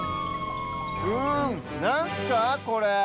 うんなんすかこれ？